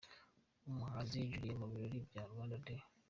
Umuhanzi Jali mu birori bya Rwanda Day.